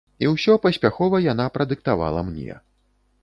І ўсё паспяхова яна прадыктавала мне.